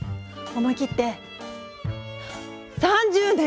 思い切って３０年！